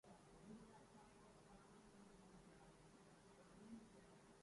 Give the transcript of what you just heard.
admin صاحب great ہو یار میری نظروں میں آپ ایک مسیحا کی طرح ہوں